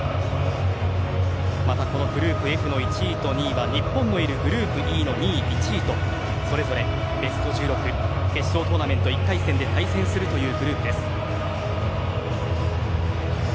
またグループＦの１位と２位は日本のいるグループＥの２位、１位とそれぞれベスト１６決勝トーナメント１回戦で対戦するというグループです。